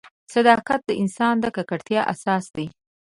صداقت د انسان د کرکټر اساس دی.